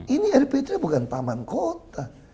ini rptra bukan taman kota